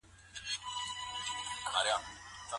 آيا اقتصادي پرمختګ په يوازي ځان کافي دی؟